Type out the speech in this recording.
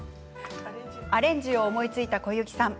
アレンジを思いついた小雪さん。